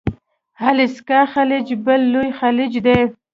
الاسکا خلیج بل لوی خلیج دی.